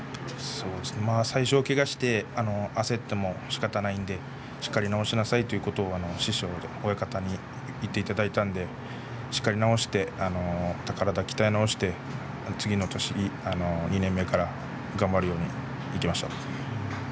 けがをして焦ってもしょうがないのでしっかり治しなさいと師匠親方に言ってもらえたのでしっかり治して体を鍛え直して次の年２年目から頑張れるようにしました。